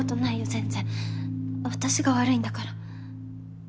全然私が悪いんだから。